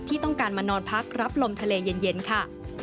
ที่ต้องการมานอนพักรับลมทะเลเย็นค่ะ